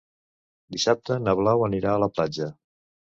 Dissabte na Blau anirà a la platja.